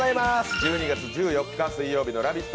１２月１４日水曜日の「ラヴィット！」